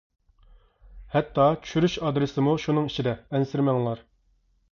ھەتتا چۈشۈرۈش ئادرېسىمۇ شۇنىڭ ئىچىدە، ئەنسىرىمەڭلار!